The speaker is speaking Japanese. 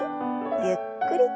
ゆっくりと。